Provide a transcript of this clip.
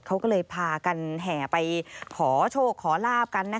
เขาก็เลยพากันแห่ไปขอโชคขอลาบกัน